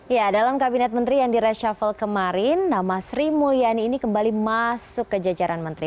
ya dalam kabinet menteri yang di reshuffle kemarin nama sri mulyani ini kembali masuk ke jajaran menteri